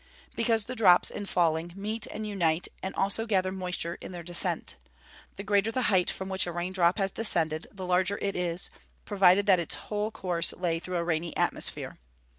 _ Because the drops, in falling, meet and unite, and also gather moisture in their descent. The greater the height from which a rain drop has descended, the larger it is, provided that its whole course lay through a rainy atmosphere.